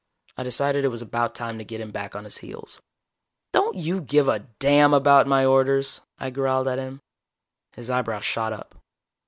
I decided it was about time to get him back on his heels. "Don't you give a damn about my orders?" I growled at him. His eyebrows shot up.